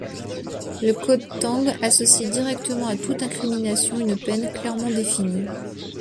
Le Code Tang associe directement à toute incrimination une peine clairement définie.